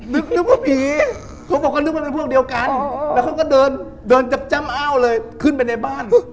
นึกว่าผีเขาบอกว่านึกว่าเป็นพวกเดียวกันแล้วเขาก็เดินเดินจับจ้ำอ้าวเลยขึ้นไปในบ้าน